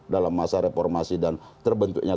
dalam masa reformasi dan terbentuknya